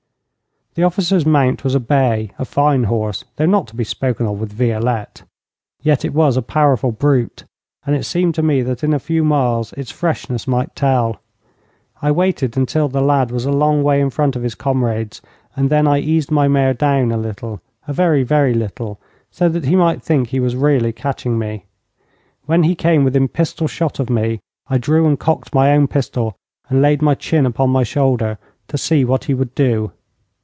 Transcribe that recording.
The officer's mount was a bay a fine horse, though not to be spoken of with Violette; yet it was a powerful brute, and it seemed to me that in a few miles its freshness might tell. I waited until the lad was a long way in front of his comrades, and then I eased my mare down a little a very, very little, so that he might think he was really catching me. When he came within pistol shot of me I drew and cocked my own pistol, and laid my chin upon my shoulder to see what he would do.